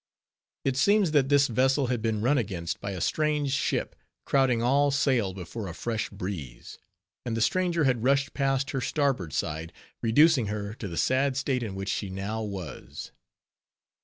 It seems that this vessel had been run against by a strange ship, crowding all sail before a fresh breeze; and the stranger had rushed past her starboard side, reducing her to the sad state in which she now was.